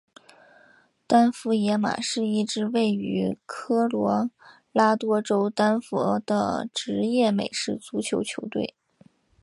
丹佛野马是一支位于科罗拉多州丹佛的职业美式足球球队。